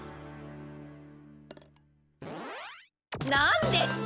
なんですか！